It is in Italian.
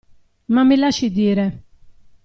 Ma mi lasci dire.